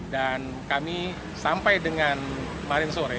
dan kami sampai dengan hari sore